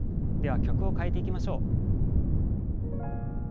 では曲を変えていきましょう。